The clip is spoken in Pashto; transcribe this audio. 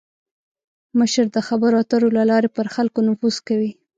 مشر د خبرو اترو له لارې پر خلکو نفوذ کوي.